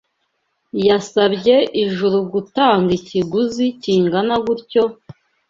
yasabye ijuru gutanga ikiguzi kingana gutyo,